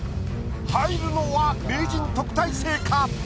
入るのは名人・特待生か？